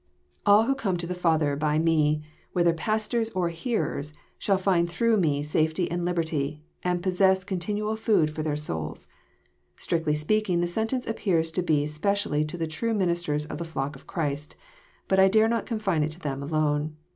All who come to the JOHN, CHAP. X. 187 Father by Me, whether pastors or hearers, shafl find through Me safety and liberty, and possess continue food for their souls." Strictly speaking the sentence appears to belong spe cially to the true ministers of the flock of Christ. Bat I dare not confine it to them alone.